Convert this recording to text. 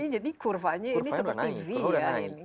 jadi kurvanya ini sudah naik